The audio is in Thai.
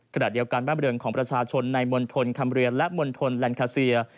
ขณะเดียวกันบ้านบริเวณของประชาชนในมณฑลคำเรียนและมณฑลแลนดคาเซีย